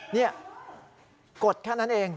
นี่กดแค่นั้นเอง